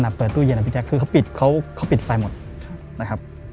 เปิดตู้เย็นนะพี่แจ๊คคือเขาปิดเขาปิดไฟหมดนะครับ